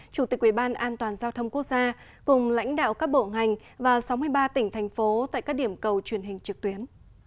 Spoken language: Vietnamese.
chủ tịch uban cùng lãnh đạo các bộ ngành và sáu mươi ba tỉnh thành phố tại các điểm cầu truyền hình trực tuyến